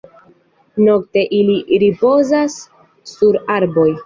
Nokte ili ripozas sur arboj.